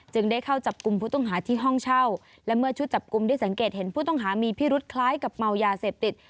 ได้เข้าจับกลุ่มผู้ต้องหาที่ห้องเช่าและเมื่อชุดจับกลุ่มได้สังเกตเห็นผู้ต้องหามีพิรุษคล้ายกับเมายาเสพติด